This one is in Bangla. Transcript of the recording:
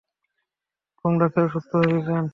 কুমড়া খেয়ে অসুস্থ হবি কেন?